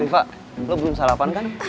riva lo belum sarapan kan